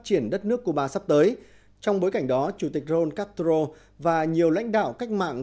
triển đất nước cuba sắp tới trong bối cảnh đó chủ tịch ron castro và nhiều lãnh đạo cách mạng